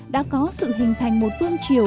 đã có sự hình thành một vương chiều